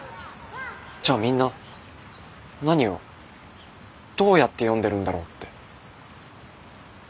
じゃあみんな何をどうやって読んでるんだろうって。